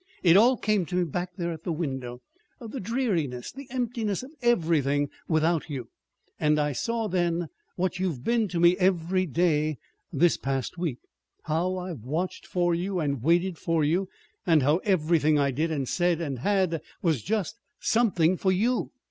"It all came to me, back there at the window the dreariness, the emptiness of everything, without you. And I saw then what you've been to me every day this past week. How I've watched for you and waited for you, and how everything I did and said and had was just something for you.